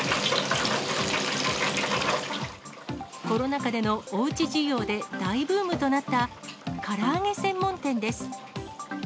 コロナ禍でのおうち需要で大ブームとなったから揚げ専門店です。